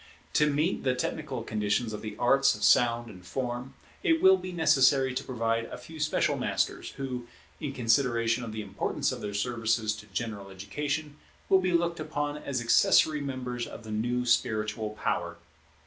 To meet the technical conditions of the arts of sound and form, it will be necessary to provide a few special masters, who, in consideration of the importance of their services to general education, will be looked upon as accessory members of the new spiritual power.